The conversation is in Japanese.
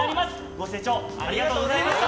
ご清聴ありがとうございました！